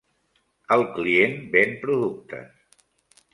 El client ven productes.